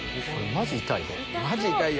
マジで痛いよ。